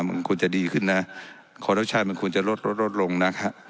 มันควรจะดีขึ้นนะขอรับใช้มันควรจะลดลดลดลงนะครับ